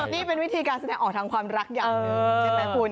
นี่เป็นวิธีการแสดงออกทางความรักอย่างหนึ่งใช่ไหมคุณ